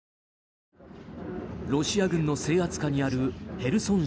ロシア軍の制圧下にあるヘルソン